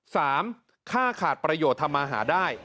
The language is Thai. สามค่าขาดประโยชน์ทำมาหาได้